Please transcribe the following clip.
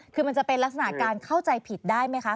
คือมันจะเป็นลักษณะการเข้าใจผิดได้ไหมคะ